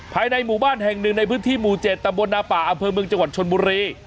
ภายในหมู่บ้านแห่งหนึ่งในพื้นที่หมู่๗ตำบลนาป่าอำเภอเมืองจังหวัดชนบุรี